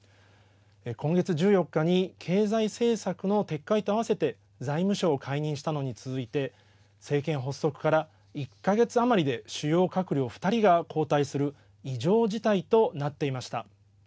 今月１４日に経済政策の撤回と合わせて財務相を解任したのに続いて政権発足から１か月余りで主要閣僚２人が交代する異常事態となっていました。